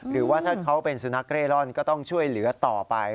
หรือว่าถ้าเขาเป็นสุนัขเร่ร่อนก็ต้องช่วยเหลือต่อไป